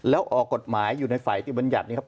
แล้วออกกฎหมายอยู่ในฝ่ายที่บรรยาบ